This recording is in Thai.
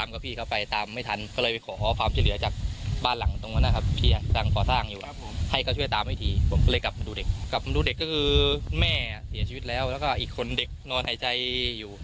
กับเด็กก็คือแม่เสียชีวิตแล้วแล้วก็อีกคนเด็กนอนหายใจอยู่